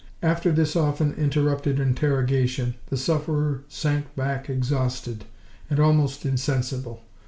After this often interrupted interrogation, the sufferer sank back exhausted, and almost insensible.